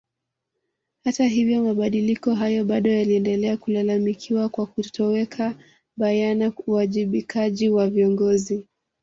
Hata hivyo mabadiliko hayo bado yaliendelea kulalamikiwa kwa kutoweka bayana uwajibikaji wa viongozi